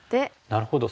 なるほど。